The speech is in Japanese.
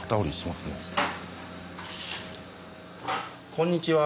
こんにちは。